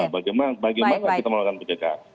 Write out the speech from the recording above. bagaimana kita melakukan pencegahan